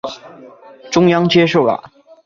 中央接受了。